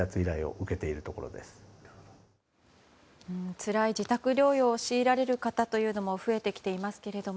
つらい自宅療養を強いられる方というのも増えてきていますけれども。